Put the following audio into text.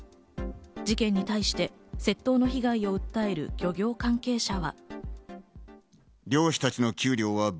事件に対して窃盗の被害を訴える漁業関係者は。